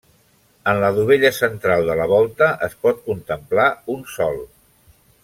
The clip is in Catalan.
En la dovella central de la volta es pot contemplar un sol.